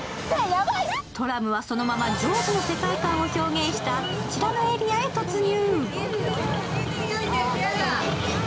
トラムは、そのまま「ジョーズ」の世界観を表現したこちらのエリアへ突入。